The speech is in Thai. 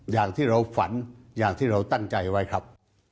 อย่างที่เราฝันอย่างที่เราตั้งใจไว้ครับ